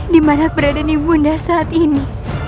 dimana berada ibu ratu saat ini